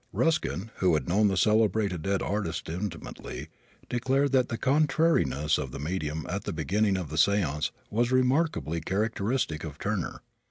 Ruskin, who had known the celebrated dead artist intimately, declared that the contrariness of the medium at the beginning of the seance was remarkably characteristic of Turner.